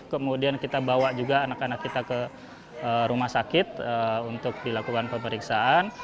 kemudian kita bawa juga anak anak kita ke rumah sakit untuk dilakukan pemeriksaan